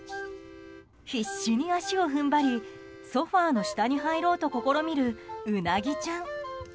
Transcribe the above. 必死に足を踏ん張りソファの下に入ろうと試みるうなぎちゃん。